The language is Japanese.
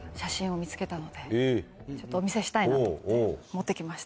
お見せしたいなと思って持って来ました。